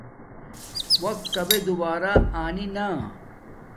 وقت کبے دوبارا انی نا